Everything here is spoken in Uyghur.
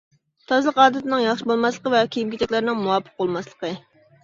تازىلىق ئادىتىنىڭ ياخشى بولماسلىقى ۋە كىيىم-كېچەكلەرنىڭ مۇۋاپىق بولماسلىقى.